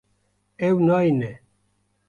Ew nayîne.